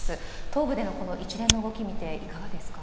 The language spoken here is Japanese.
東部での一連の動きを見ていかがですか？